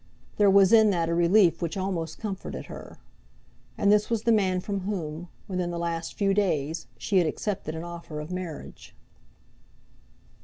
There was in that a relief which almost comforted her. And this was the man from whom, within the last few days, she had accepted an offer of marriage.